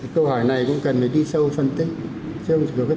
câu hỏi này cũng cần phải đi sâu phân tích chứ không thể thấy một đề nổi